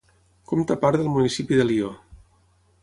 Compta part del municipi de Lió.